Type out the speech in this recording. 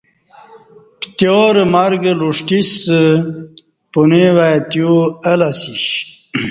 پتیارہ مرگ لوݜٹیسہ پنوی وای تیو اہ لہ اسیش